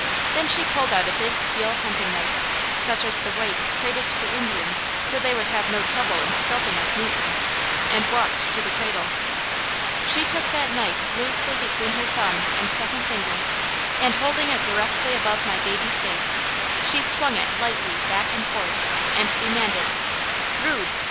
Then she pulled out a big steel hunting knife, such as the whites traded to the Indians so they would have no trouble in scalping us neatly, and walked to the cradle. She took that knife loosely between her thumb and second finger and holding it directly above my baby's face, she swung it lightly back and forth and demanded: 'Brod!